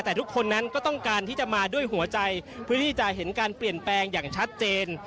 แต่ทุกคนนั้นก็ต้องการที่จะมาด้วยหัวใจเพื่อที่จะเห็นการเปลี่ยนแปลงอย่างชัดเจน